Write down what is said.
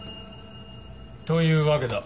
というわけだ。